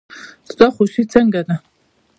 ستا خواشي څنګه ده.